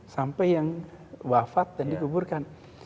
sampai yang wafat dan dikuburkan